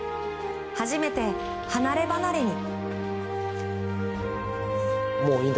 初めて離れ離れに。